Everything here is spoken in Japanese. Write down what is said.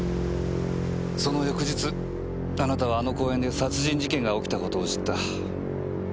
その翌日あなたはあの公園で殺人事件が起きた事を知った。